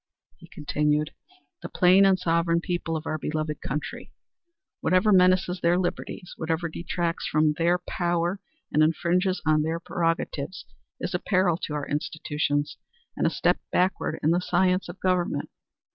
he continued. "The plain and sovereign people of our beloved country. Whatever menaces their liberties, whatever detracts from their, power and infringes on their prerogatives is a peril to our institutions and a step backward in the science of government.